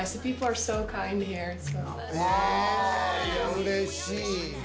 うれしい。